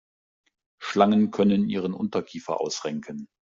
Schlangen können ihren Unterkiefer ausrenken.